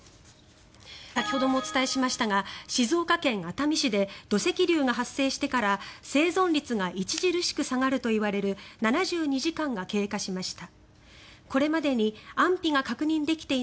先ほどもお伝えしましたが静岡県熱海市で土石流が発生してから生存率が著しく下がるといわれる７２時間が経過しました。